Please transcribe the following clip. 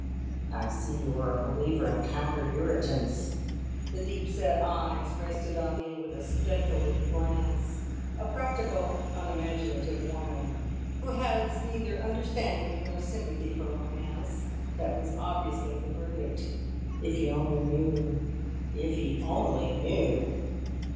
"I see you are a believer in counter irritants." The deep set eyes rested on me with a speculative glance. A practical, unimaginative woman, who has neither understanding nor sympathy for romance that was obviously the verdict. If he only knew! If he only knew!